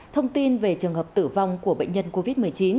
thông tin về trường hợp tử vong của bệnh nhân covid một mươi chín